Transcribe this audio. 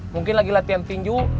mungkin lagi latihan tinju